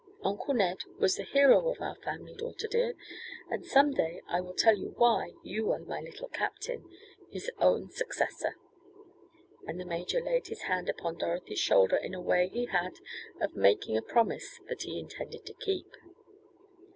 Uncle Ned was the hero of our family, daughter dear, and some day I will tell you why you are my Little Captain his own successor," and the major laid his hand upon Dorothy's shoulder in a way he had of making a promise that he intended to keep.